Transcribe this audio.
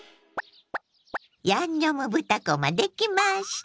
「ヤンニョム豚こま」できました。